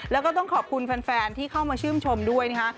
แล้วก็ต้องขอบคุณแฟนที่เข้ามาชื่นชมด้วยนะคะ